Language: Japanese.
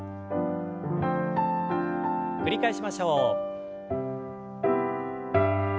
繰り返しましょう。